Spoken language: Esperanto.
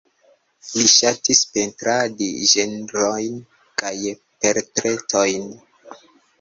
Li ŝatis pentradi ĝenrojn kaj portretojn.